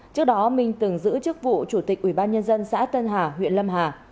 trước đó minh từng giữ chức vụ chủ tịch ủy ban nhân dân xã tân hà huyện lâm hà